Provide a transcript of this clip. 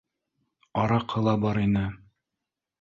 — Араҡы ла бар ине